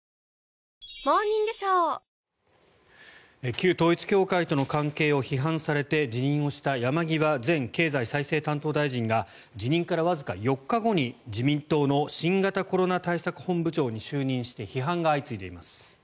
旧統一教会との関係を批判されて、辞任をした山際前経済再生担当大臣が辞任からわずか４日後に自民党の新型コロナ対策本部長に就任して批判が相次いでいます。